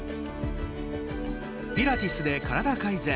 ピラティスでからだ改善。